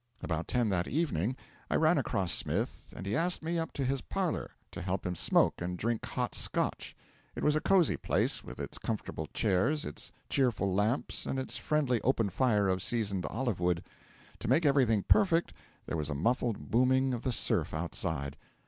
About ten that evening I ran across Smith, and he asked me up to his parlour to help him smoke and drink hot Scotch. It was a cosy place, with its comfortable chairs, its cheerful lamps, and its friendly open fire of seasoned olive wood. To make everything perfect, there was a muffled booming of the surf outside.